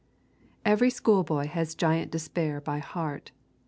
Every schoolboy has Giant Despair by heart.